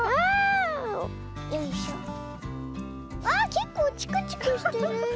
けっこうチクチクしてる。